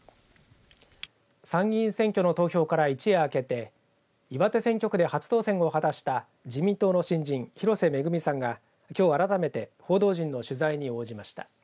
参議院選挙の投票から一夜明けて岩手選挙区で初当選を果たした自民党の新人、広瀬めぐみさんがきょう改めて報道陣の取材に応じました。